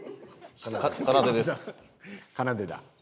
かなでだ。